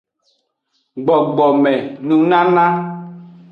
Gbogbome nunana.